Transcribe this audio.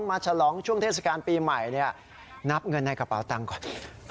ฉลองช่วงเทศกาลปีใหม่นับเงินในกระเป๋าตังค์ก่อน